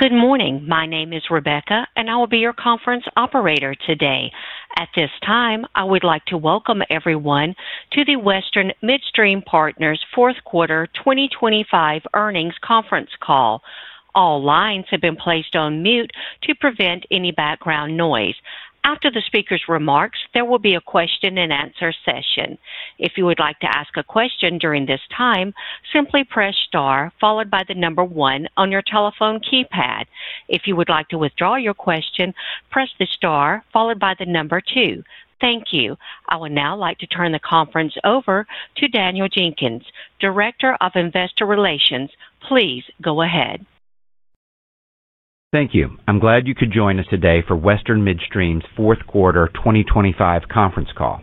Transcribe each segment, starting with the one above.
Good morning. My name is Rebecca, and I will be your conference operator today. At this time, I would like to welcome everyone to the Western Midstream Partners Fourth Quarter 2025 Earnings Conference Call. All lines have been placed on mute to prevent any background noise. After the speaker's remarks, there will be a question-and-answer session. If you would like to ask a question during this time, simply press star followed by the number one on your telephone keypad. If you would like to withdraw your question, press the star followed by the number two. Thank you. I would now like to turn the conference over to Daniel Jenkins, Director of Investor Relations. Please go ahead. Thank you. I'm glad you could join us today for Western Midstream's Fourth Quarter 2025 Conference Call.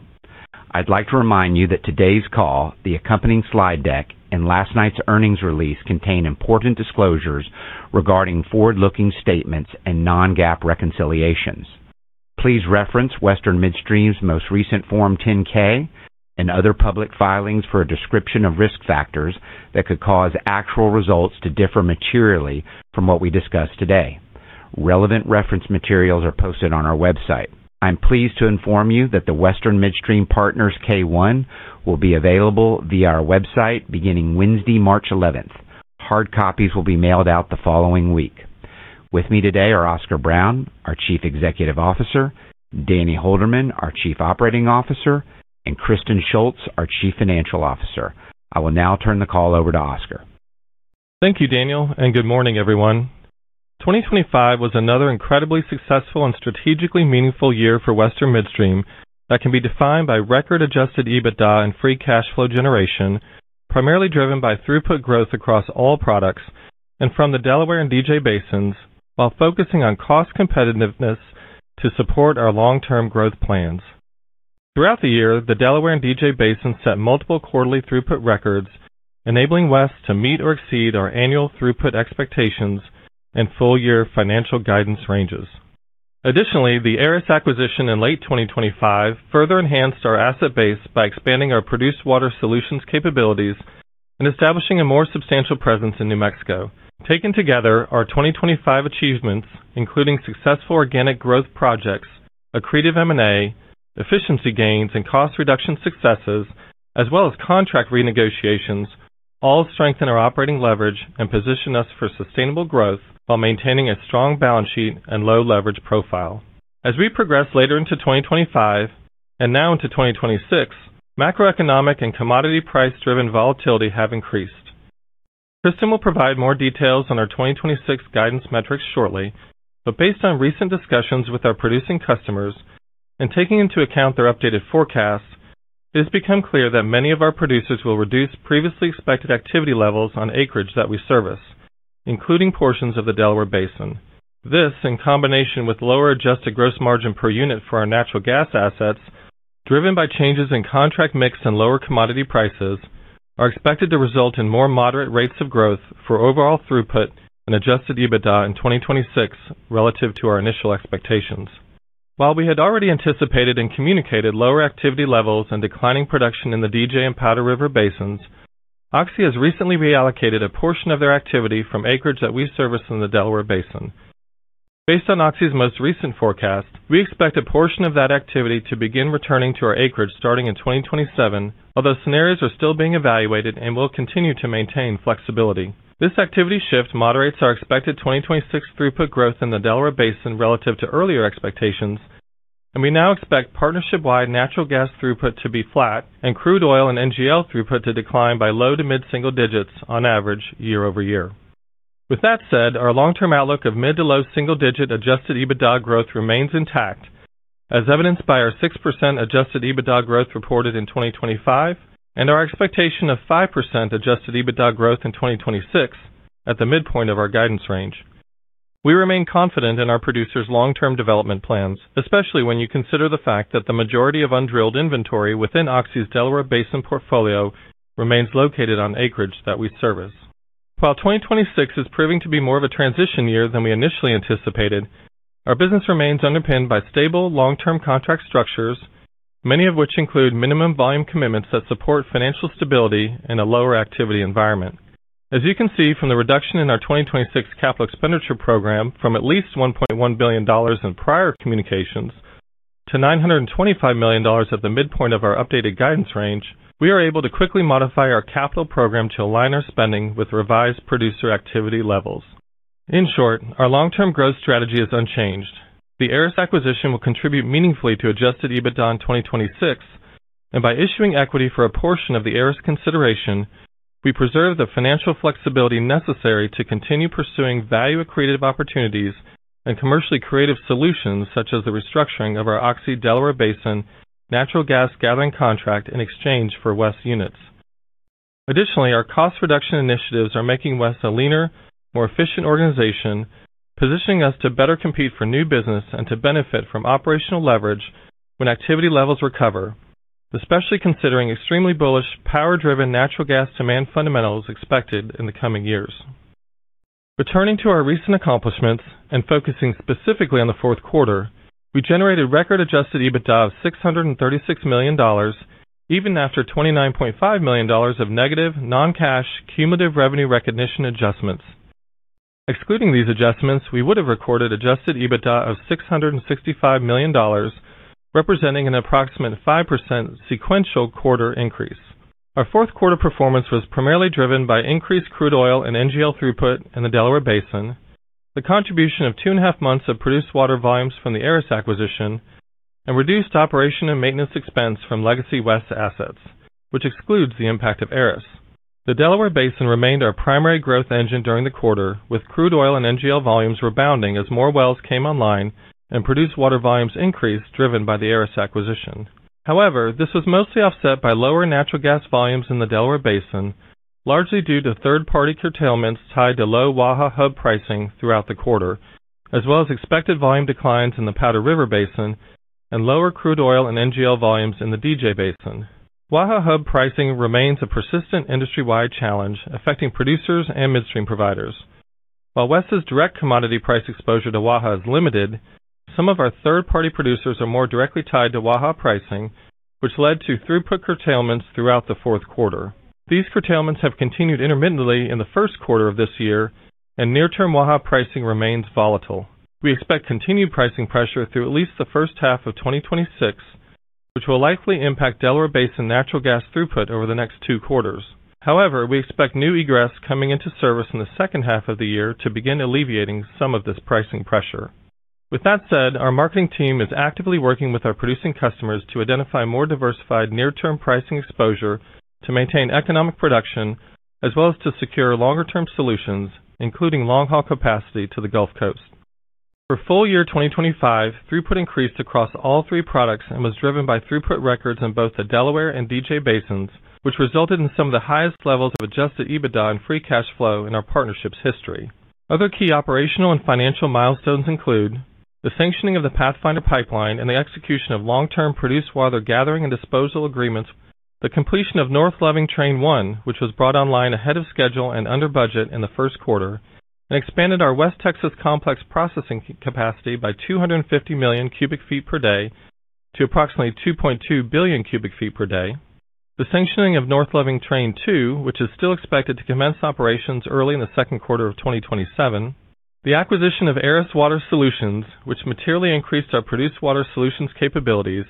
I'd like to remind you that today's call, the accompanying slide deck, and last night's earnings release contain important disclosures regarding forward-looking statements and non-GAAP reconciliations. Please reference Western Midstream's most recent Form 10-K and other public filings for a description of risk factors that could cause actual results to differ materially from what we discuss today. Relevant reference materials are posted on our website. I'm pleased to inform you that the Western Midstream Partners K-1 will be available via our website beginning Wednesday, March 11th. Hard copies will be mailed out the following week. With me today are Oscar Brown, our Chief Executive Officer, Danny Holderman, our Chief Operating Officer, and Kristen Shults, our Chief Financial Officer. I will now turn the call over to Oscar. Thank you, Daniel, and good morning, everyone. 2025 was another incredibly successful and strategically meaningful year for Western Midstream that can be defined by record Adjusted EBITDA and free cash flow generation, primarily driven by throughput growth across all products and from the Delaware and DJ Basins, while focusing on cost competitiveness to support our long-term growth plans. Throughout the year, the Delaware and DJ Basin set multiple quarterly throughput records, enabling WES to meet or exceed our annual throughput expectations and full-year financial guidance ranges. Additionally, the Aris acquisition in late 2025 further enhanced our asset base by expanding our produced water solutions capabilities and establishing a more substantial presence in New Mexico. Taken together, our 2025 achievements, including successful organic growth projects, accretive M&A, efficiency gains, and cost reduction successes, as well as contract renegotiations, all strengthen our operating leverage and position us for sustainable growth while maintaining a strong balance sheet and low leverage profile. As we progress later into 2025 and now into 2026, macroeconomic and commodity price-driven volatility have increased. Kristen will provide more details on our 2026 guidance metrics shortly, but based on recent discussions with our producing customers and taking into account their updated forecasts, it has become clear that many of our producers will reduce previously expected activity levels on acreage that we service, including portions of the Delaware Basin. This, in combination with lower adjusted gross margin per unit for our natural gas assets, driven by changes in contract mix and lower commodity prices, are expected to result in more moderate rates of growth for overall throughput and Adjusted EBITDA in 2026 relative to our initial expectations. While we had already anticipated and communicated lower activity levels and declining production in the DJ and Powder River Basins, Oxy has recently reallocated a portion of their activity from acreage that we service in the Delaware Basin. Based on Oxy's most recent forecast, we expect a portion of that activity to begin returning to our acreage starting in 2027, although scenarios are still being evaluated and will continue to maintain flexibility. This activity shift moderates our expected 2026 throughput growth in the Delaware Basin relative to earlier expectations, and we now expect partnership-wide natural gas throughput to be flat and crude oil and NGL throughput to decline by low- to mid-single digits on average year over year. With that said, our long-term outlook of mid- to low-single-digit Adjusted EBITDA growth remains intact, as evidenced by our 6% Adjusted EBITDA growth reported in 2025 and our expectation of 5% Adjusted EBITDA growth in 2026 at the midpoint of our guidance range. We remain confident in our producers' long-term development plans, especially when you consider the fact that the majority of undrilled inventory within Oxy's Delaware Basin portfolio remains located on acreage that we service. While 2026 is proving to be more of a transition year than we initially anticipated, our business remains underpinned by stable, long-term contract structures, many of which include minimum volume commitments that support financial stability in a lower activity environment. As you can see from the reduction in our 2026 capital expenditure program, from at least $1.1 billion in prior communications to $925 million at the midpoint of our updated guidance range, we are able to quickly modify our capital program to align our spending with revised producer activity levels. In short, our long-term growth strategy is unchanged. The Aris acquisition will contribute meaningfully to Adjusted EBITDA in 2026, and by issuing equity for a portion of the Aris consideration, we preserve the financial flexibility necessary to continue pursuing value accretive opportunities and commercially creative solutions, such as the restructuring of our Oxy Delaware Basin natural gas gathering contract in exchange for WES units. Additionally, our cost reduction initiatives are making WES a leaner, more efficient organization, positioning us to better compete for new business and to benefit from operational leverage when activity levels recover, especially considering extremely bullish, power-driven natural gas demand fundamentals expected in the coming years. Returning to our recent accomplishments and focusing specifically on the fourth quarter, we generated record Adjusted EBITDA of $636 million. Even after $29.5 million of negative non-cash cumulative revenue recognition adjustments. Excluding these adjustments, we would have recorded Adjusted EBITDA of $665 million, representing an approximate 5% sequential quarter increase. Our fourth quarter performance was primarily driven by increased crude oil and NGL throughput in the Delaware Basin, the contribution of two and a half months of produced water volumes from the Aris acquisition, and reduced operations and maintenance expense from legacy WES's assets, which excludes the impact of Aris. The Delaware Basin remained our primary growth engine during the quarter, with crude oil and NGL volumes rebounding as more wells came online and produced water volumes increased, driven by the Aris acquisition. However, this was mostly offset by lower natural gas volumes in the Delaware Basin, largely due to third-party curtailments tied to low Waha Hub pricing throughout the quarter, as well as expected volume declines in the Powder River Basin and lower crude oil and NGL volumes in the DJ Basin. Waha Hub pricing remains a persistent industry-wide challenge affecting producers and midstream providers. While WES's direct commodity price exposure to Waha is limited, some of our third-party producers are more directly tied to Waha pricing, which led to throughput curtailments throughout the fourth quarter. These curtailments have continued intermittently in the first quarter of this year, and near-term Waha pricing remains volatile. We expect continued pricing pressure through at least the first half of 2026, which will likely impact Delaware Basin natural gas throughput over the next two quarters. However, we expect new egress coming into service in the second half of the year to begin alleviating some of this pricing pressure. With that said, our marketing team is actively working with our producing customers to identify more diversified near-term pricing exposure to maintain economic production, as well as to secure longer-term solutions, including long-haul capacity to the Gulf Coast. For full year 2025, throughput increased across all three products and was driven by throughput records in both the Delaware Basin and DJ Basin, which resulted in some of the highest levels of Adjusted EBITDA and free cash flow in our partnership's history. Other key operational and financial milestones include the sanctioning of the Pathfinder Pipeline and the execution of long-term produced water gathering and disposal agreements, the completion of North Loving Train One, which was brought online ahead of schedule and under budget in the first quarter, and expanded our WES Texas complex processing capacity by 250 million cu ft per day to approximately 2.2 billion cu ft per day. The sanctioning of North Loving Train Two, which is still expected to commence operations early in the second quarter of 2027. The acquisition of Aris Water Solutions, which materially increased our produced water solutions capabilities,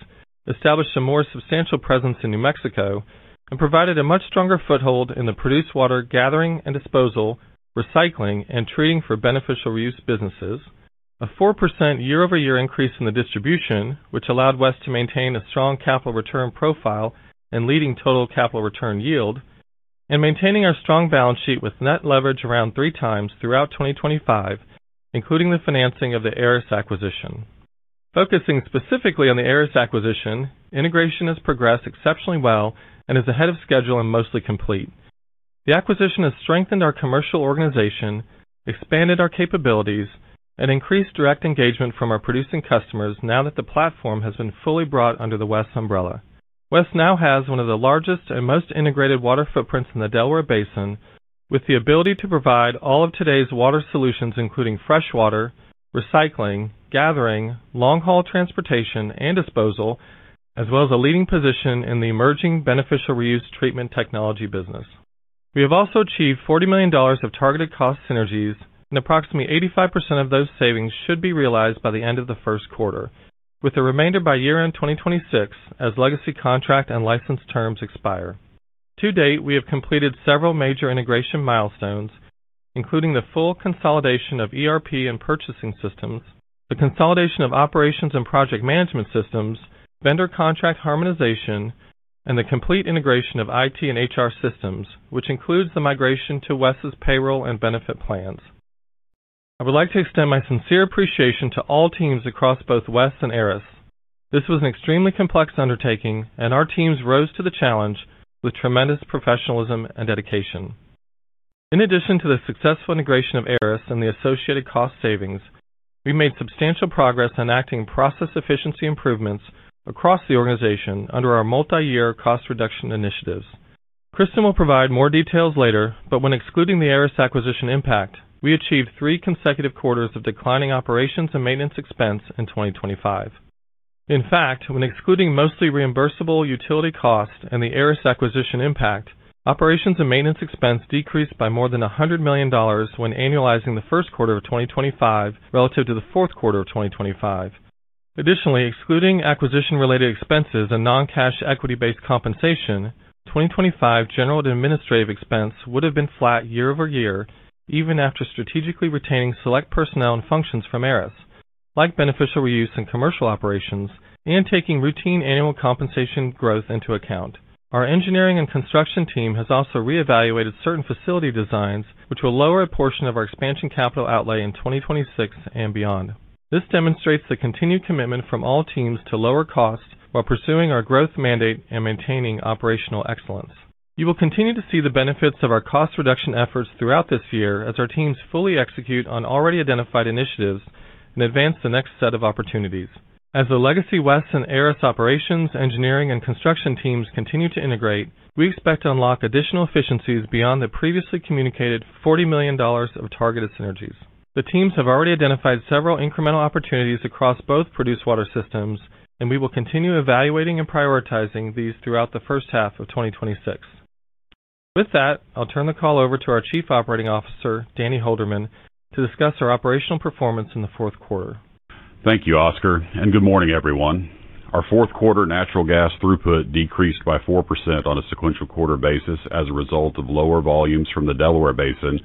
established a more substantial presence in New Mexico, and provided a much stronger foothold in the produced water gathering and disposal, recycling, and treating for beneficial reuse businesses. A 4% year-over-year increase in the distribution, which allowed WES to maintain a strong capital return profile and leading total capital return yield, and maintaining our strong balance sheet with net leverage around 3x throughout 2025, including the financing of the Aris acquisition. Focusing specifically on the Aris acquisition, integration has progressed exceptionally well and is ahead of schedule and mostly complete. The acquisition has strengthened our commercial organization, expanded our capabilities, and increased direct engagement from our producing customers now that the platform has been fully brought under the WES umbrella. WES now has one of the largest and most integrated water footprints in the Delaware Basin, with the ability to provide all of today's water solutions, including fresh water, recycling, gathering, long-haul transportation, and disposal, as well as a leading position in the emerging beneficial reuse treatment technology business. We have also achieved $40 million of targeted cost synergies, and approximately 85% of those savings should be realized by the end of the first quarter, with the remainder by year-end 2026, as legacy contract and license terms expire. To date, we have completed several major integration milestones, including the full consolidation of ERP and purchasing systems, the consolidation of operations and project management systems, vendor contract harmonization, and the complete integration of IT and HR systems, which includes the migration to WES payroll and benefit plans. I would like to extend my sincere appreciation to all teams across both WES and Aris. This was an extremely complex undertaking, and our teams rose to the challenge with tremendous professionalism and dedication. In addition to the successful integration of Aris and the associated cost savings, we made substantial progress in achieving process efficiency improvements across the organization under our multi-year cost reduction initiatives. Kristen will provide more details later, but when excluding the Aris acquisition impact, we achieved three consecutive quarters of declining operations and maintenance expense in 2025. In fact, when excluding mostly reimbursable utility costs and the Aris acquisition impact, operations and maintenance expense decreased by more than $100 million when annualizing the first quarter of 2025 relative to the fourth quarter of 2025. Additionally, excluding acquisition-related expenses and non-cash equity-based compensation, 2025 general and administrative expense would have been flat year-over-year, even after strategically retaining select personnel and functions from Aris, like beneficial reuse and commercial operations, and taking routine annual compensation growth into account. Our engineering and construction team has also reevaluated certain facility designs, which will lower a portion of our expansion capital outlay in 2026 and beyond. This demonstrates the continued commitment from all teams to lower costs while pursuing our growth mandate and maintaining operational excellence. You will continue to see the benefits of our cost reduction efforts throughout this year as our teams fully execute on already identified initiatives and advance the next set of opportunities. As the legacy Western and Aris operations, engineering, and construction teams continue to integrate, we expect to unlock additional efficiencies beyond the previously communicated $40 million of targeted synergies. The teams have already identified several incremental opportunities across both produced water systems, and we will continue evaluating and prioritizing these throughout the first half of 2026. With that, I'll turn the call over to our Chief Operating Officer, Danny Holderman, to discuss our operational performance in the fourth quarter. Thank you, Oscar, and good morning, everyone. Our fourth quarter natural gas throughput decreased by 4% on a sequential quarter basis as a result of lower volumes from the Delaware Basin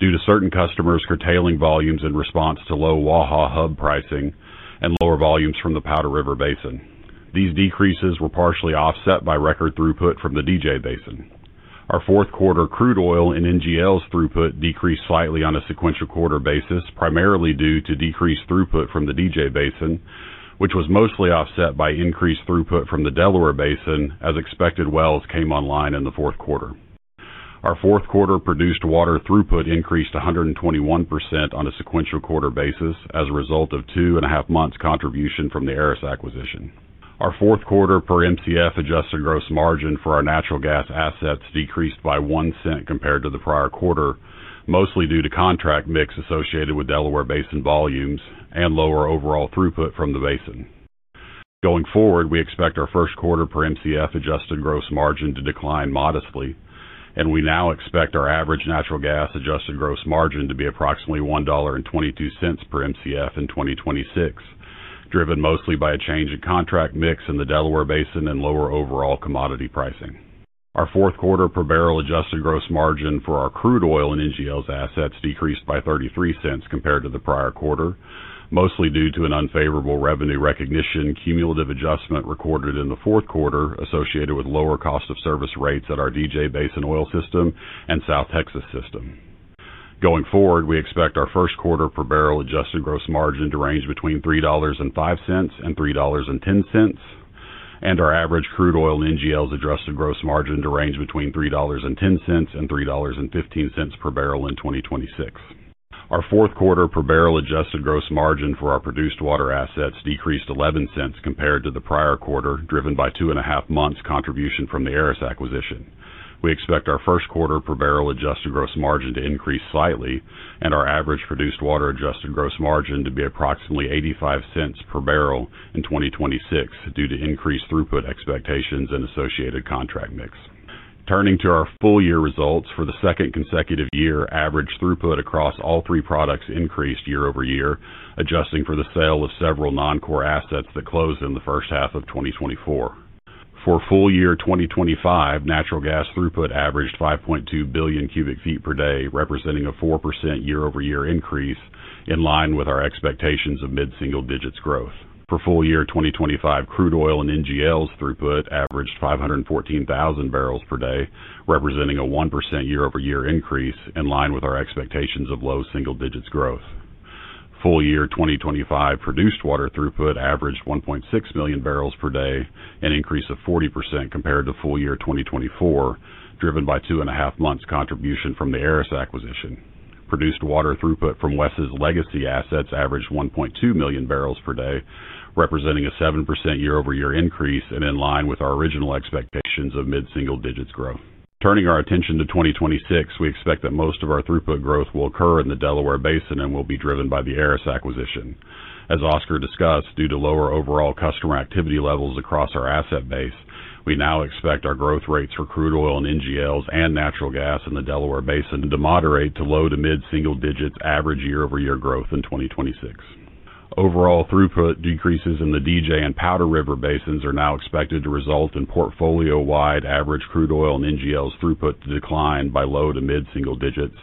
due to certain customers curtailing volumes in response to low Waha Hub pricing and lower volumes from the Powder River Basin. These decreases were partially offset by record throughput from the DJ Basin. Our fourth quarter crude oil and NGLs throughput decreased slightly on a sequential quarter basis, primarily due to decreased throughput from the DJ Basin, which was mostly offset by increased throughput from the Delaware Basin as expected wells came online in the fourth quarter. Our fourth quarter produced water throughput increased 121% on a sequential quarter basis as a result of 2.5 months contribution from the Aris acquisition. Our fourth quarter per Mcf adjusted gross margin for our natural gas assets decreased by $0.01 compared to the prior quarter, mostly due to contract mix associated with Delaware Basin volumes and lower overall throughput from the basin. Going forward, we expect our first quarter per Mcf adjusted gross margin to decline modestly, and we now expect our average natural gas adjusted gross margin to be approximately $1.22 per Mcf in 2026, driven mostly by a change in contract mix in the Delaware Basin and lower overall commodity pricing. Our fourth quarter per barrel adjusted gross margin for our crude oil and NGLs assets decreased by $0.33 compared to the prior quarter, mostly due to an unfavorable revenue recognition cumulative adjustment recorded in the fourth quarter, associated with lower cost of service rates at our DJ Basin oil system and South Texas system. Going forward, we expect our first quarter per barrel adjusted gross margin to range between $3.05 and $3.10, and our average crude oil and NGLs adjusted gross margin to range between $3.10 and $3.15 per barrel in 2026. Our fourth quarter per barrel adjusted gross margin for our produced water assets decreased $0.11 compared to the prior quarter, driven by 2.5 months contribution from the Aris acquisition. We expect our first quarter per barrel adjusted gross margin to increase slightly, and our average produced water adjusted gross margin to be approximately $0.85 per barrel in 2026 due to increased throughput expectations and associated contract mix. Turning to our full year results, for the second consecutive year, average throughput across all three products increased year-over-year, adjusting for the sale of several non-core assets that closed in the first half of 2024. For full year 2025, natural gas throughput averaged 5.2 billion cu ft per day, representing a 4% year-over-year increase in line with our expectations of mid-single digits growth. For full year 2025, crude oil and NGLs throughput averaged 514,000 bbl per day, representing a 1% year-over-year increase in line with our expectations of low single digits growth. Full year 2025 produced water throughput averaged 1.6 MMbpd, an increase of 40% compared to full year 2024, driven by 2.5 months contribution from the Aris acquisition. Produced water throughput from WES's legacy assets averaged 1.2 MMbpd, representing a 7% year-over-year increase and in line with our original expectations of mid-single digits growth. Turning our attention to 2026, we expect that most of our throughput growth will occur in the Delaware Basin and will be driven by the Aris acquisition. As Oscar discussed, due to lower overall customer activity levels across our asset base, we now expect our growth rates for crude oil and NGLs and natural gas in the Delaware Basin to moderate to low- to mid-single digits average year-over-year growth in 2026. Overall, throughput decreases in the DJ and Powder River Basins are now expected to result in portfolio-wide average crude oil and NGLs throughput to decline by low- to mid-single digits,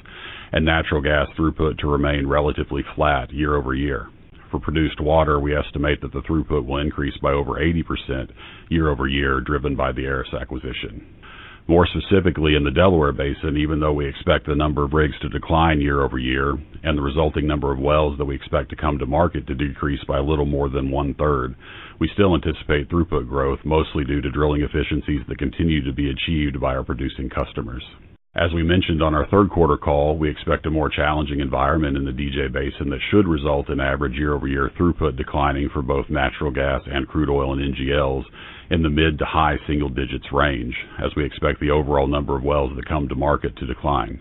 and natural gas throughput to remain relatively flat year over year. For produced water, we estimate that the throughput will increase by over 80% year-over-year, driven by the Aris acquisition. More specifically, in the Delaware Basin, even though we expect the number of rigs to decline year-over-year and the resulting number of wells that we expect to come to market to decrease by a little more than one-third, we still anticipate throughput growth, mostly due to drilling efficiencies that continue to be achieved by our producing customers. As we mentioned on our third quarter call, we expect a more challenging environment in the DJ Basin that should result in average year-over-year throughput declining for both natural gas and crude oil and NGLs in the mid- to high-single-digits range, as we expect the overall number of wells to come to market to decline.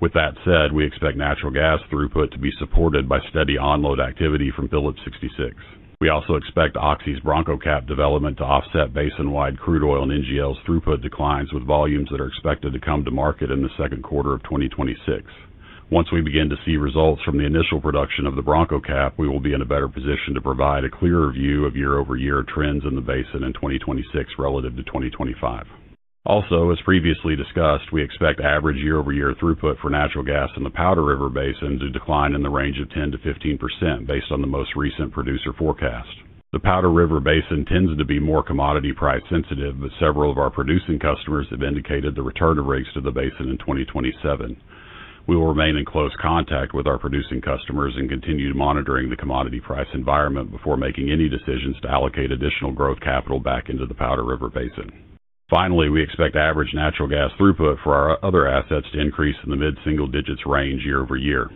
With that said, we expect natural gas throughput to be supported by steady onload activity from Phillips 66. We also expect Oxy's Bronco CAP development to offset basin-wide crude oil and NGLs throughput declines with volumes that are expected to come to market in the second quarter of 2026. Once we begin to see results from the initial production of the Bronco area, we will be in a better position to provide a clearer view of year-over-year trends in the basin in 2026 relative to 2025. Also, as previously discussed, we expect average year-over-year throughput for natural gas in the Powder River Basin to decline in the range of 10%-15%, based on the most recent producer forecast. The Powder River Basin tends to be more commodity price sensitive, but several of our producing customers have indicated the return of rigs to the basin in 2027. We will remain in close contact with our producing customers and continue monitoring the commodity price environment before making any decisions to allocate additional growth capital back into the Powder River Basin. Finally, we expect average natural gas throughput for our other assets to increase in the mid-single digits range year-over-year.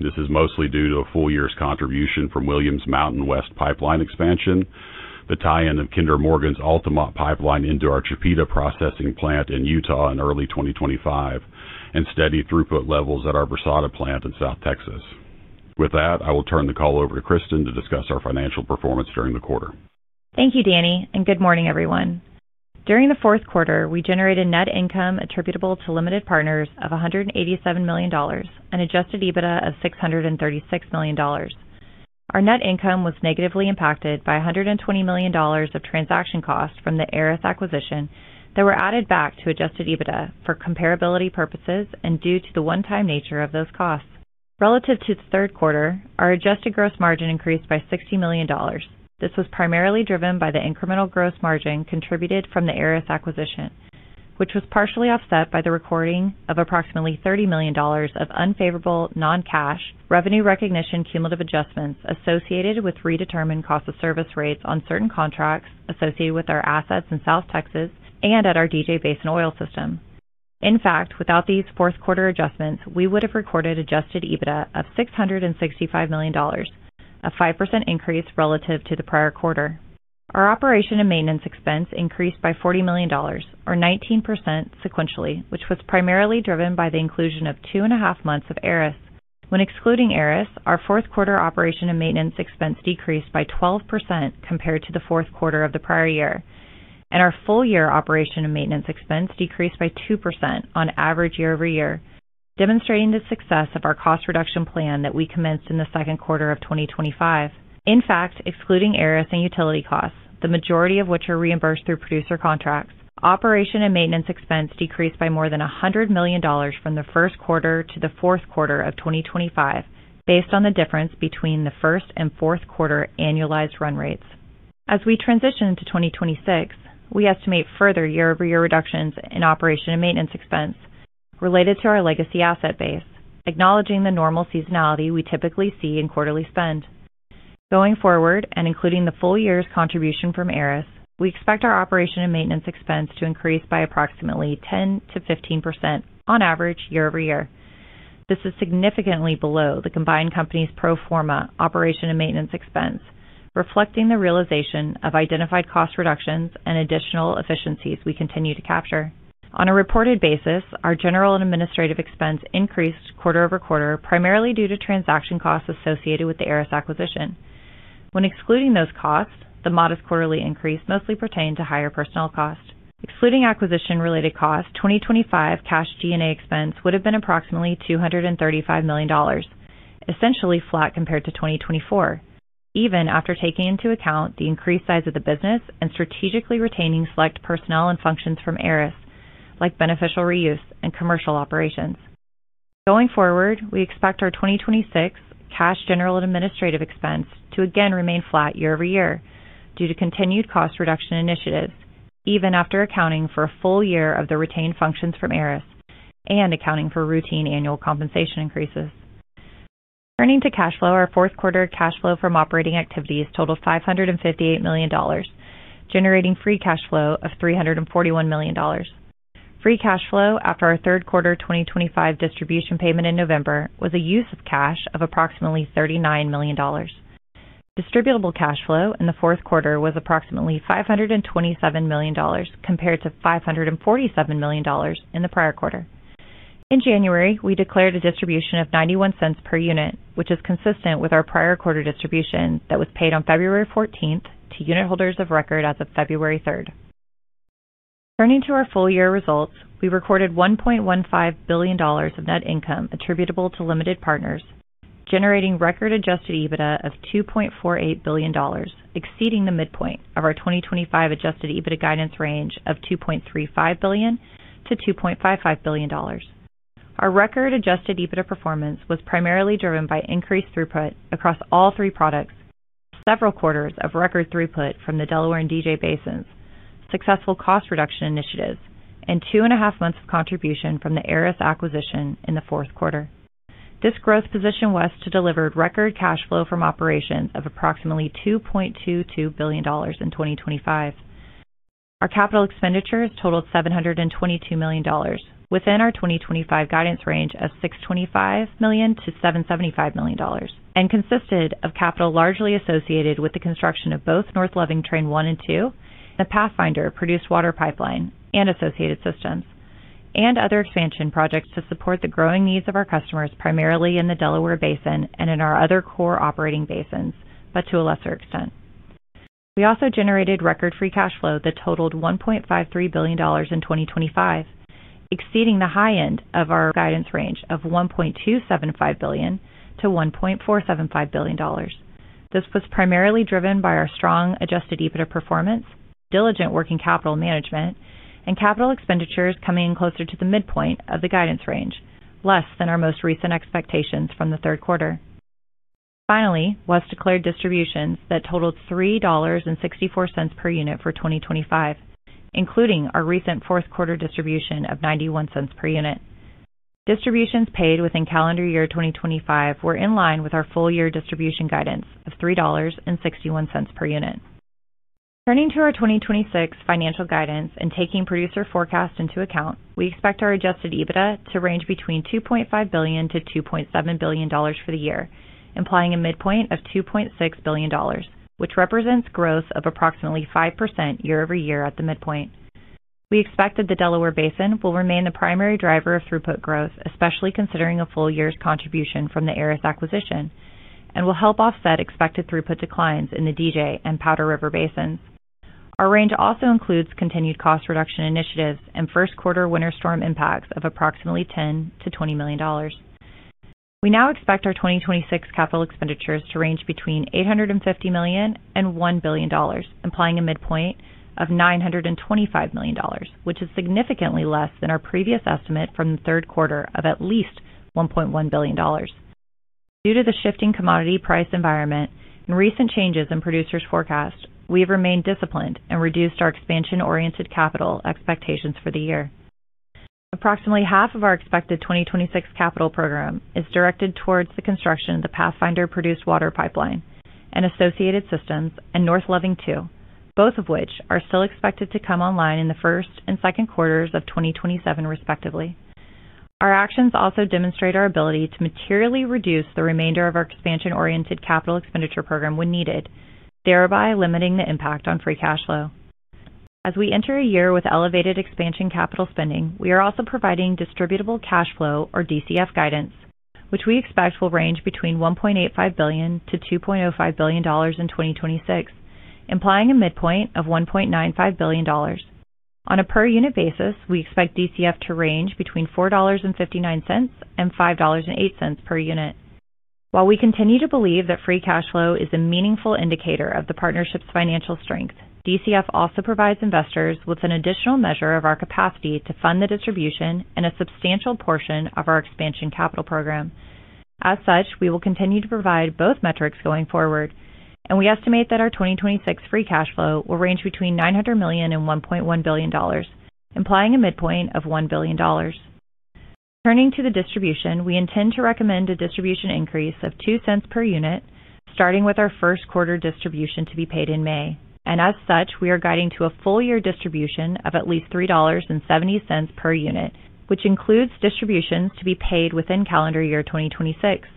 This is mostly due to a full year's contribution from Williams' MountainWest pipeline expansion, the tie-in of Kinder Morgan's Uinta pipeline into our Chipeta processing plant in Utah in early 2025, and steady throughput levels at our Brasada plant in South Texas. With that, I will turn the call over to Kristen to discuss our financial performance during the quarter. Thank you, Danny, and good morning, everyone. During the fourth quarter, we generated net income attributable to limited partners of $187 million, an Adjusted EBITDA of $636 million. Our net income was negatively impacted by $120 million of transaction costs from the Aris acquisition that were added back to Adjusted EBITDA for comparability purposes and due to the one-time nature of those costs. Relative to the third quarter, our adjusted gross margin increased by $60 million. This was primarily driven by the incremental gross margin contributed from the Aris acquisition, which was partially offset by the recording of approximately $30 million of unfavorable non-cash revenue recognition cumulative adjustments associated with redetermined cost of service rates on certain contracts associated with our assets in South Texas and at our DJ Basin oil system. In fact, without these fourth quarter adjustments, we would have recorded Adjusted EBITDA of $665 million, a 5% increase relative to the prior quarter. Our operation and maintenance expense increased by $40 million or 19% sequentially, which was primarily driven by the inclusion of 2.5 months of Aris. When excluding Aris, our fourth quarter operation and maintenance expense decreased by 12% compared to the fourth quarter of the prior year, and our full year operation and maintenance expense decreased by 2% on average year-over-year, demonstrating the success of our cost reduction plan that we commenced in the second quarter of 2025. In fact, excluding Aris and utility costs, the majority of which are reimbursed through producer contracts, operation and maintenance expense decreased by more than $100 million from the first quarter to the fourth quarter of 2025, based on the difference between the first and fourth quarter annualized run rates. As we transition into 2026, we estimate further year-over-year reductions in operation and maintenance expense related to our legacy asset base, acknowledging the normal seasonality we typically see in quarterly spend. Going forward, and including the full year's contribution from Aris, we expect our operation and maintenance expense to increase by approximately 10%-15% on average year over year. This is significantly below the combined company's pro forma operation and maintenance expense, reflecting the realization of identified cost reductions and additional efficiencies we continue to capture. On a reported basis, our general and administrative expense increased quarter-over-quarter, primarily due to transaction costs associated with the Aris acquisition. When excluding those costs, the modest quarterly increase mostly pertained to higher personnel costs. Excluding acquisition-related costs, 2025 cash G&A expense would have been approximately $235 million, essentially flat compared to 2024, even after taking into account the increased size of the business and strategically retaining select personnel and functions from Aris, like beneficial reuse and commercial operations. Going forward, we expect our 2026 cash, general and administrative expense to again remain flat year-over-year due to continued cost reduction initiatives, even after accounting for a full year of the retained functions from Aris and accounting for routine annual compensation increases. Turning to cash flow, our fourth quarter cash flow from operating activities totaled $558 million, generating free cash flow of $341 million. free cash flow after our third quarter 2025 distribution payment in November was a use of cash of approximately $39 million. Distributable cash flow in the fourth quarter was approximately $527 million, compared to $547 million in the prior quarter. In January, we declared a distribution of $0.91 per unit, which is consistent with our prior quarter distribution that was paid on February 14th to unitholders of record as of February 3rd. Turning to our full year results, we recorded $1.15 billion of net income attributable to limited partners, generating record Adjusted EBITDA of $2.48 billion, exceeding the midpoint of our 2025 Adjusted EBITDA guidance range of $2.35 billion-$2.55 billion. Our record Adjusted EBITDA performance was primarily driven by increased throughput across all three products, several quarters of record throughput from the Delaware and DJ basins, successful cost reduction initiatives, and 2.5 months of contribution from the Aris acquisition in the fourth quarter. This growth positioned WES to deliver record cash flow from operations of approximately $2.22 billion in 2025. Our capital expenditures totaled $722 million within our 2025 guidance range of $625 million-$775 million, and consisted of capital largely associated with the construction of both North Loving Train One and Two, the Pathfinder Produced Water Pipeline and associated systems, and other expansion projects to support the growing needs of our customers, primarily in the Delaware Basin and in our other core operating basins, but to a lesser extent. We also generated record free cash flow that totaled $1.53 billion in 2025, exceeding the high end of our guidance range of $1.275 billion-$1.475 billion. This was primarily driven by our strong Adjusted EBITDA performance, diligent working capital management, and capital expenditures coming in closer to the midpoint of the guidance range, less than our most recent expectations from the third quarter. Finally, WES declared distributions that totaled $3.64 per unit for 2025, including our recent fourth quarter distribution of $0.91 per unit. Distributions paid within calendar year 2025 were in line with our full-year distribution guidance of $3.61 per unit. Turning to our 2026 financial guidance and taking producer forecast into account, we expect our Adjusted EBITDA to range between $2.5 billion-$2.7 billion for the year, implying a midpoint of $2.6 billion, which represents growth of approximately 5% year-over-year at the midpoint.... We expect that the Delaware Basin will remain the primary driver of throughput growth, especially considering a full year's contribution from the Aris acquisition, and will help offset expected throughput declines in the DJ and Powder River basins. Our range also includes continued cost reduction initiatives and first quarter winter storm impacts of approximately $10 million-$20 million. We now expect our 2026 capital expenditures to range between $850 million and $1 billion, implying a midpoint of $925 million, which is significantly less than our previous estimate from the third quarter of at least $1.1 billion. Due to the shifting commodity price environment and recent changes in producers' forecast, we have remained disciplined and reduced our expansion-oriented capital expectations for the year. Approximately half of our expected 2026 capital program is directed towards the construction of the Pathfinder Produced Water Pipeline and associated systems and North Loving Train Two, both of which are still expected to come online in the first and second quarters of 2027, respectively. Our actions also demonstrate our ability to materially reduce the remainder of our expansion-oriented capital expenditure program when needed, thereby limiting the impact on free cash flow. As we enter a year with elevated expansion capital spending, we are also providing distributable cash flow, or DCF guidance, which we expect will range between $1.85 billion-$2.05 billion in 2026, implying a midpoint of $1.95 billion. On a per unit basis, we expect DCF to range between $4.59 and $5.08 per unit. While we continue to believe that free cash flow is a meaningful indicator of the partnership's financial strength, DCF also provides investors with an additional measure of our capacity to fund the distribution and a substantial portion of our expansion capital program. As such, we will continue to provide both metrics going forward, and we estimate that our 2026 free cash flow will range between $900 million and $1.1 billion, implying a midpoint of $1 billion. Turning to the distribution, we intend to recommend a distribution increase of $0.02 per unit, starting with our first quarter distribution to be paid in May, and as such, we are guiding to a full year distribution of at least $3.70 per unit, which includes distributions to be paid within calendar year 2026.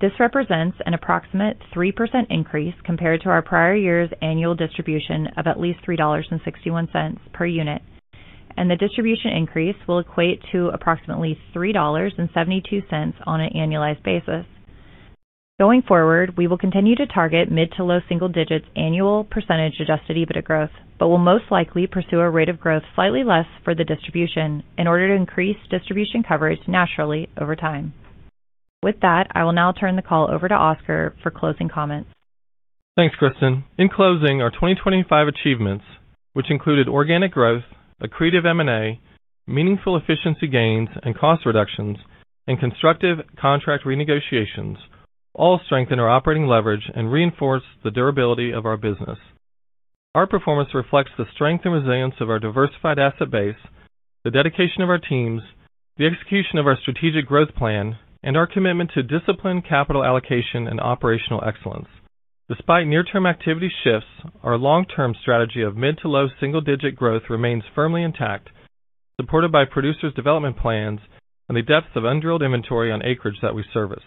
This represents an approximate 3% increase compared to our prior year's annual distribution of at least $3.61 per unit, and the distribution increase will equate to approximately $3.72 on an annualized basis. Going forward, we will continue to target mid to low single digits annual percentage adjusted EBITDA growth, but will most likely pursue a rate of growth slightly less for the distribution in order to increase distribution coverage naturally over time. With that, I will now turn the call over to Oscar for closing comments. Thanks, Kristen. In closing, our 2025 achievements, which included organic growth, accretive M&A, meaningful efficiency gains and cost reductions, and constructive contract renegotiations, all strengthen our operating leverage and reinforce the durability of our business. Our performance reflects the strength and resilience of our diversified asset base, the dedication of our teams, the execution of our strategic growth plan, and our commitment to disciplined capital allocation and operational excellence. Despite near-term activity shifts, our long-term strategy of mid- to low single-digit growth remains firmly intact, supported by producers' development plans and the depths of undrilled inventory on acreage that we service.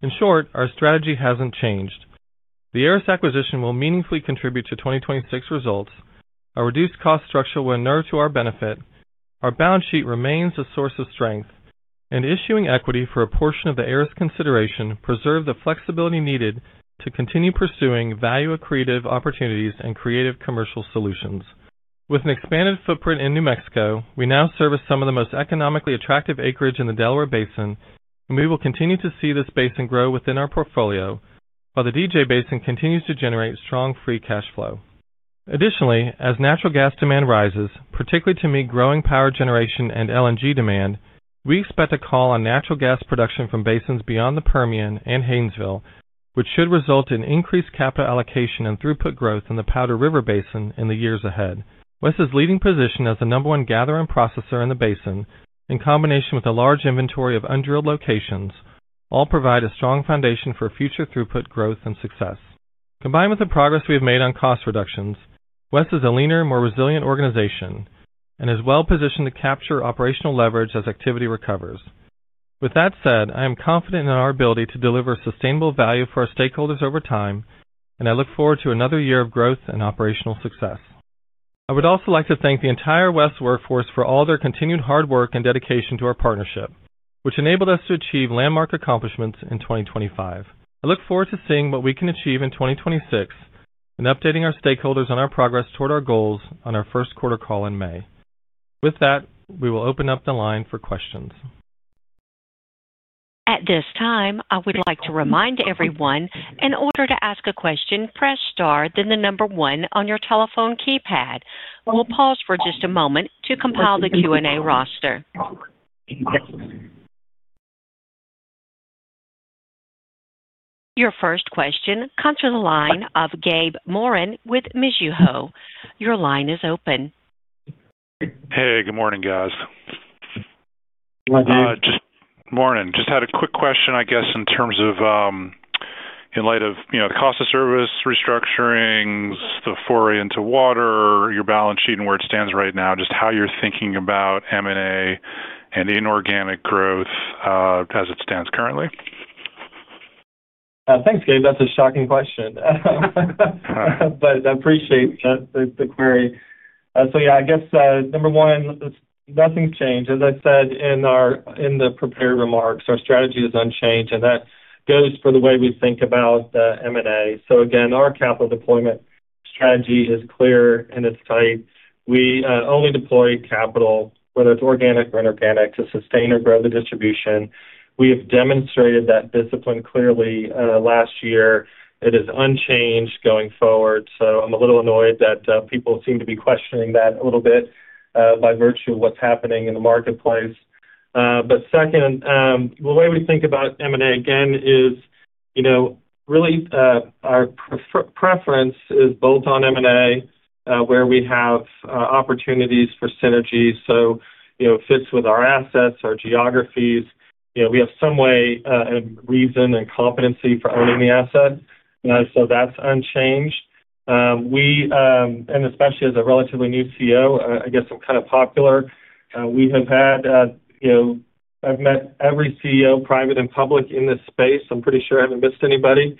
In short, our strategy hasn't changed. The Aris acquisition will meaningfully contribute to 2026 results. Our reduced cost structure will endure to our benefit. Our balance sheet remains a source of strength, and issuing equity for a portion of the Aris consideration preserved the flexibility needed to continue pursuing value accretive opportunities and creative commercial solutions. With an expanded footprint in New Mexico, we now service some of the most economically attractive acreage in the Delaware Basin, and we will continue to see this basin grow within our portfolio, while the DJ Basin continues to generate strong free cash flow. Additionally, as natural gas demand rises, particularly to meet growing power generation and LNG demand, we expect a call on natural gas production from basins beyond the Permian and Haynesville, which should result in increased capital allocation and throughput growth in the Powder River Basin in the years ahead. West's leading position as the number one gatherer and processor in the basin, in combination with a large inventory of undrilled locations, all provide a strong foundation for future throughput growth and success. Combined with the progress we have made on cost reductions, West is a leaner, more resilient organization and is well positioned to capture operational leverage as activity recovers. With that said, I am confident in our ability to deliver sustainable value for our stakeholders over time, and I look forward to another year of growth and operational success. I would also like to thank the entire West workforce for all their continued hard work and dedication to our partnership, which enabled us to achieve landmark accomplishments in 2025. I look forward to seeing what we can achieve in 2026 and updating our stakeholders on our progress toward our goals on our first quarter call in May. With that, we will open up the line for questions. At this time, I would like to remind everyone, in order to ask a question, press Star, then the number one on your telephone keypad. We'll pause for just a moment to compile the Q&A roster. Your first question comes to the line of Gabe Moreen with Mizuho. Your line is open. Hey, good morning, guys. Good morning. Morning. Just had a quick question, I guess, in terms of, in light of, you know, the cost of service restructurings, the foray into water, your balance sheet and where it stands right now, just how you're thinking about M&A and inorganic growth, as it stands currently?... Thanks, Gabe. That's a shocking question. But I appreciate the query. So yeah, I guess, number one, nothing's changed. As I said in the prepared remarks, our strategy is unchanged, and that goes for the way we think about M&A. So again, our capital deployment strategy is clear, and it's tight. We only deploy capital, whether it's organic or inorganic, to sustain or grow the distribution. We have demonstrated that discipline clearly, last year. It is unchanged going forward. So I'm a little annoyed that people seem to be questioning that a little bit, by virtue of what's happening in the marketplace. But second, the way we think about M&A again is, you know, really, our preference is built on M&A, where we have opportunities for synergies. So, you know, it fits with our assets, our geographies. You know, we have some way, and reason and competency for owning the asset. So that's unchanged. And especially as a relatively new CEO, I guess I'm kind of popular. We have had, you know, I've met every CEO, private and public, in this space. I'm pretty sure I haven't missed anybody.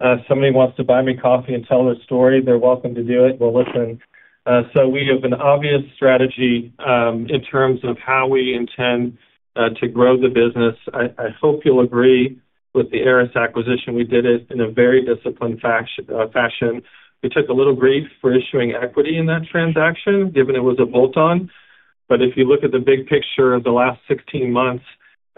If somebody wants to buy me coffee and tell their story, they're welcome to do it. We'll listen. So we have an obvious strategy, in terms of how we intend, to grow the business. I hope you'll agree with the Aris acquisition. We did it in a very disciplined fashion. We took a little grief for issuing equity in that transaction, given it was a bolt-on. But if you look at the big picture of the last 16 months,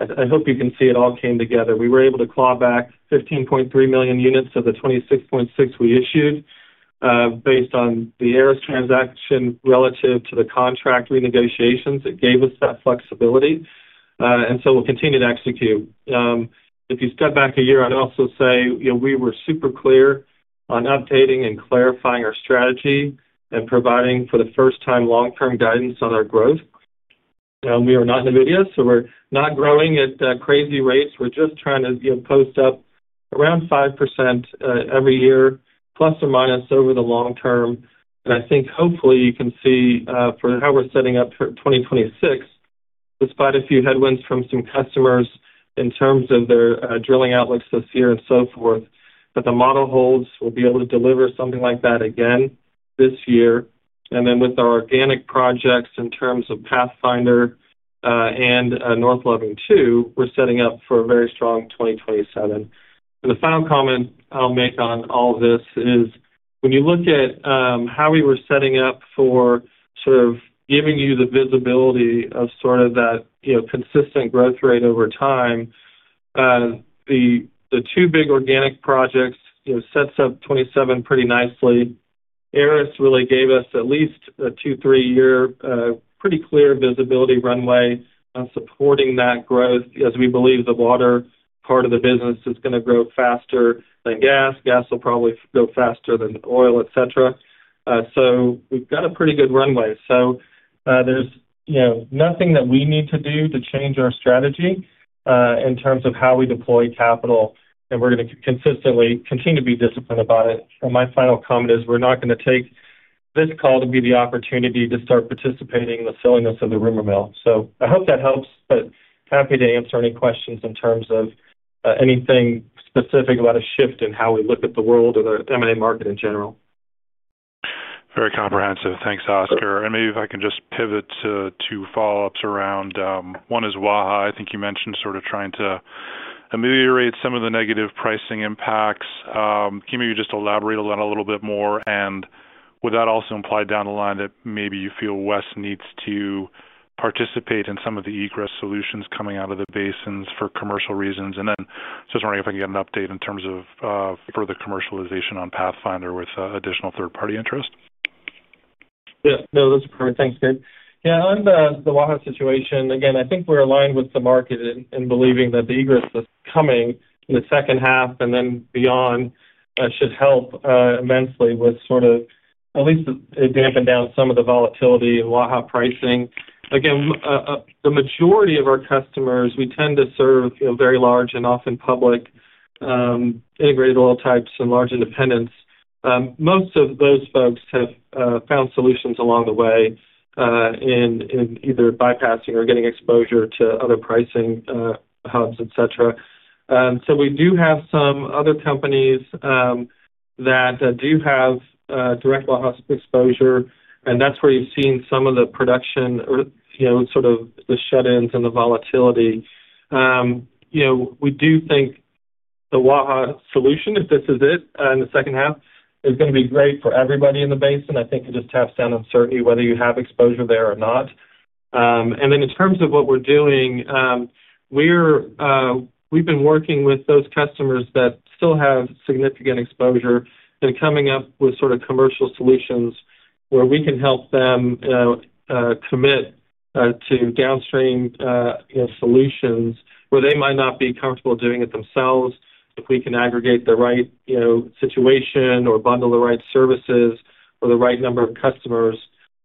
I, I hope you can see it all came together. We were able to claw back 15.3 million units of the 26.6 million we issued, based on the Aris transaction relative to the contract renegotiations. It gave us that flexibility, and so we'll continue to execute. If you step back a year, I'd also say, you know, we were super clear on updating and clarifying our strategy and providing, for the first time, long-term guidance on our growth. We are not Nvidia, so we're not growing at, crazy rates. We're just trying to, you know, post up around 5%, every year, ±, over the long term. I think hopefully you can see for how we're setting up for 2026, despite a few headwinds from some customers in terms of their drilling outlook this year and so forth, that the model holds. We'll be able to deliver something like that again this year. Then with our organic projects, in terms of Pathfinder and North Loving Train Two, we're setting up for a very strong 2027. The final comment I'll make on all this is, when you look at how we were setting up for sort of giving you the visibility of sort of that, you know, consistent growth rate over time, the two big organic projects, you know, sets up 2027 pretty nicely. Aris really gave us at least a two-three-year pretty clear visibility runway on supporting that growth, as we believe the water part of the business is gonna grow faster than gas. Gas will probably grow faster than oil, et cetera. So we've got a pretty good runway. So, there's, you know, nothing that we need to do to change our strategy in terms of how we deploy capital, and we're gonna consistently continue to be disciplined about it. So my final comment is, we're not gonna take this call to be the opportunity to start participating in the silliness of the rumor mill. So I hope that helps, but happy to answer any questions in terms of anything specific about a shift in how we look at the world or the M&A market in general. Very comprehensive. Thanks, Oscar. And maybe if I can just pivot to two follow-ups around, one is Waha. I think you mentioned sort of trying to ameliorate some of the negative pricing impacts. Can you maybe just elaborate on that a little bit more? And would that also imply down the line that maybe you feel WES needs to participate in some of the egress solutions coming out of the basins for commercial reasons? And then, just wondering if I can get an update in terms of, further commercialization on Pathfinder with, additional third-party interest. Yes. No, those are perfect. Thanks, Gabe. Yeah, on the Waha situation, again, I think we're aligned with the market in believing that the egress that's coming in the second half and then beyond should help immensely with sort of at least dampen down some of the volatility in Waha pricing. Again, the majority of our customers, we tend to serve, you know, very large and often public integrated oil types and large independents. Most of those folks have found solutions along the way in either bypassing or getting exposure to other pricing hubs, et cetera. So we do have some other companies that do have direct Waha exposure, and that's where you've seen some of the production or, you know, sort of the shut-ins and the volatility. You know, we do think the Waha solution, if this is it, in the second half, is gonna be great for everybody in the basin. I think it just taps down uncertainty, whether you have exposure there or not. And then in terms of what we're doing, we've been working with those customers that still have significant exposure and coming up with sort of commercial solutions where we can help them commit to downstream, you know, solutions where they might not be comfortable doing it themselves. If we can aggregate the right, you know, situation or bundle the right services or the right number of customers,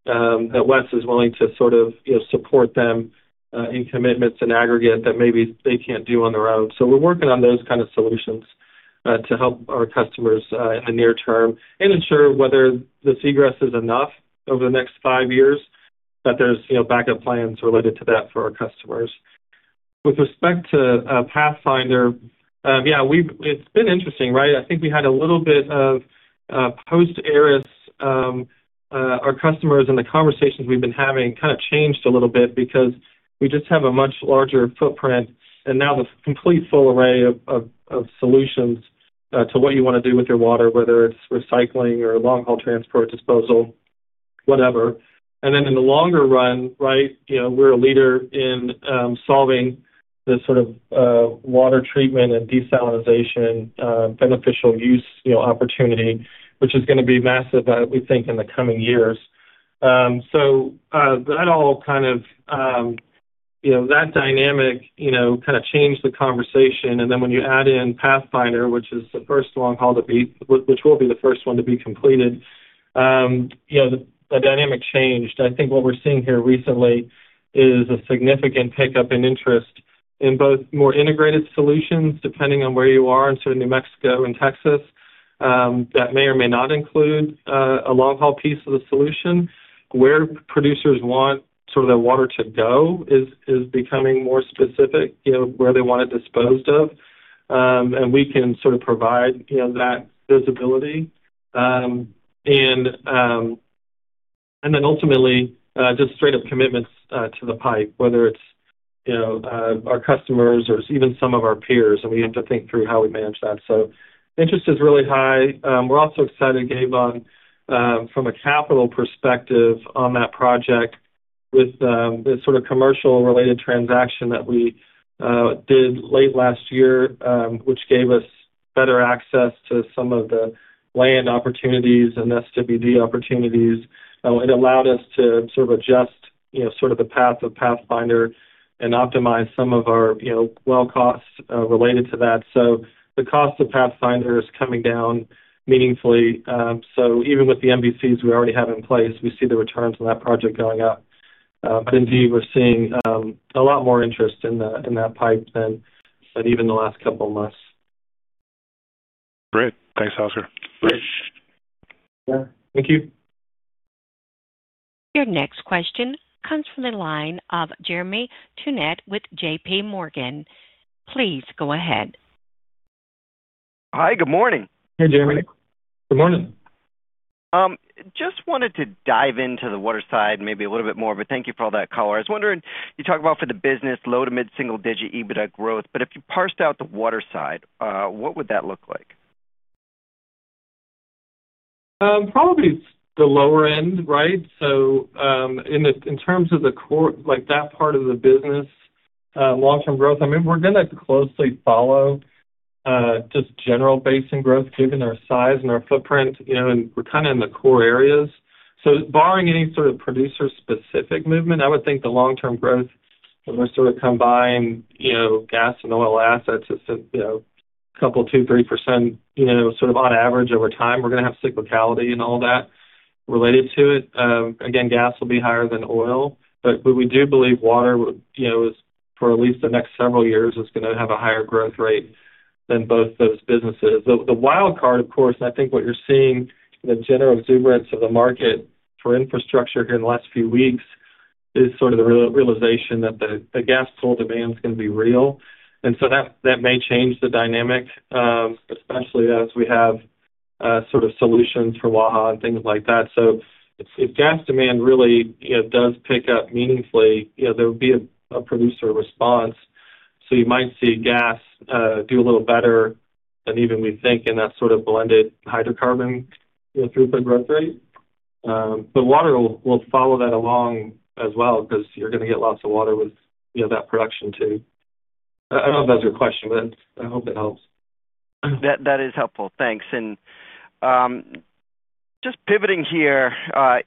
that WES is willing to sort of, you know, support them in commitments in aggregate that maybe they can't do on their own. So we're working on those kind of solutions, to help our customers, in the near term and ensure whether this egress is enough over the next five years... that there's, you know, backup plans related to that for our customers. With respect to, Pathfinder, yeah, it's been interesting, right? I think we had a little bit of, post-Aris, our customers and the conversations we've been having kind of changed a little bit because we just have a much larger footprint, and now the complete full array of solutions, to what you wanna do with your water, whether it's recycling or long-haul transport, disposal, whatever. And then in the longer run, right, you know, we're a leader in solving the sort of water treatment and desalination beneficial use, you know, opportunity, which is gonna be massive, we think, in the coming years. So, that all kind of, you know, that dynamic, you know, kind of changed the conversation, and then when you add in Pathfinder, which is the first long haul to be... Which will be the first one to be completed, you know, the dynamic changed. I think what we're seeing here recently is a significant pickup in interest in both more integrated solutions, depending on where you are in New Mexico and Texas. That may or may not include a long-haul piece of the solution. Where producers want sort of the water to go is becoming more specific, you know, where they want it disposed of. And we can sort of provide, you know, that visibility. And then ultimately, just straight-up commitments to the pipe, whether it's, you know, our customers or even some of our peers, and we have to think through how we manage that. So interest is really high. We're also excited, Gabe, from a capital perspective on that project with the sort of commercial-related transaction that we did late last year, which gave us better access to some of the land opportunities and SWD opportunities. It allowed us to sort of adjust, you know, sort of the path of Pathfinder and optimize some of our, you know, well costs related to that. So the cost of Pathfinder is coming down meaningfully. So even with the MBCs we already have in place, we see the returns on that project going up. But indeed, we're seeing a lot more interest in that pipe than even the last couple of months. Great. Thanks, Oscar. Great. Yeah. Thank you. Your next question comes from the line of Jeremy Tonet with JPMorgan. Please go ahead. Hi, good morning. Hey, Jeremy. Good morning. Just wanted to dive into the water side, maybe a little bit more, but thank you for all that color. I was wondering, you talked about for the business low- to mid-single-digit EBITDA growth, but if you parsed out the water side, what would that look like? Probably the lower end, right? So, in the, in terms of the core, like that part of the business, long-term growth, I mean, we're gonna closely follow, just general basin growth, given our size and our footprint, you know, and we're kind of in the core areas. So barring any sort of producer-specific movement, I would think the long-term growth, when we're sort of combining, you know, gas and oil assets, is, you know, a couple, 2%-3%, you know, sort of on average over time. We're gonna have cyclicality and all that related to it. Again, gas will be higher than oil, but we do believe water, you know, is for at least the next several years, is gonna have a higher growth rate than both those businesses. The wild card, of course, and I think what you're seeing, the general exuberance of the market for infrastructure here in the last few weeks, is sort of the re-realization that the [inaudible] demand is gonna be real. And so that may change the dynamic, especially as we have sort of solutions for Waha and things like that. So, if gas demand really, you know, does pick up meaningfully, you know, there would be a producer response. So, you might see gas do a little better than even we think in that sort of blended hydrocarbon, you know, throughput growth rate. But water will follow that along as well because you're gonna get lots of water with, you know, that production too. I don't know if that's your question, but I hope it helps. That is helpful. Thanks. And, just pivoting here,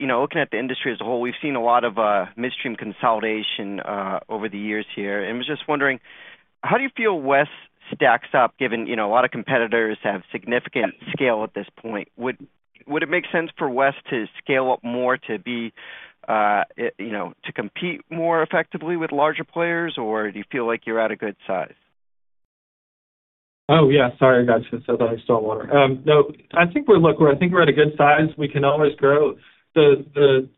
you know, looking at the industry as a whole, we've seen a lot of midstream consolidation over the years here. I was just wondering, how do you feel West stacks up, given, you know, a lot of competitors have significant scale at this point? Would it make sense for West to scale up more to be, you know, to compete more effectively with larger players, or do you feel like you're at a good size? Oh, yeah, sorry, I got you. So I still want to... No, I think we're lucky. I think we're at a good size. We can always grow. The,